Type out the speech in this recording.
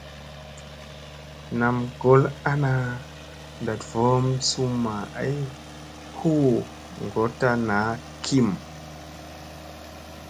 Nam gol ana ndat voʼom summa ay huu ngotta naa kim.